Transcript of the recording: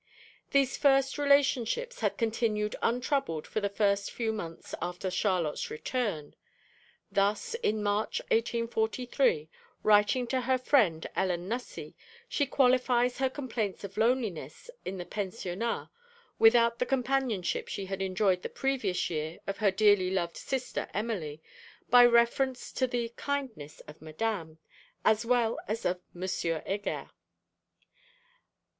These first relationships had continued untroubled for the first few months after Charlotte's return. Thus, in March 1843, writing to her friend Ellen Nussey, she qualifies her complaints of loneliness in the Pensionnat (without the companionship she had enjoyed the previous year of her dearly loved sister Emily) by reference to the kindness of Madame, as well as of Monsieur Heger.